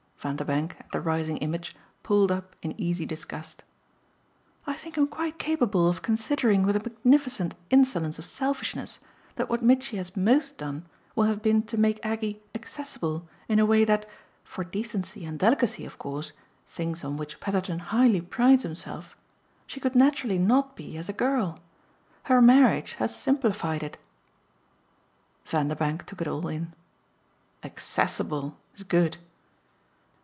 Vanderbank, at the rising image, pulled up in easy disgust. "I think him quite capable of considering with a magnificent insolence of selfishness that what Mitchy has MOST done will have been to make Aggie accessible in a way that for decency and delicacy of course, things on which Petherton highly prides himself she could naturally not be as a girl. Her marriage has simplified it." Vanderbank took it all in. "'Accessible' is good!"